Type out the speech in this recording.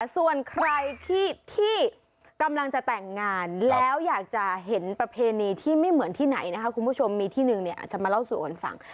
ส่วนใครที่กำลังจะแต่งงานแล้วอยากจะเห็นประเพณีที่ไม่เหมือนที่ไหนนะคะคุณผู้ชมมีที่หนึ่งเนี่ยอาจจะมาเล่าสู่กันฟัง